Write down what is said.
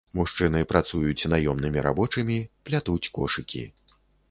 Мужчыны працуюць наёмнымі рабочымі, плятуць кошыкі.